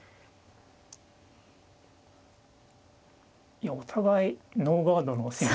いやお互いノーガードの攻め合いで。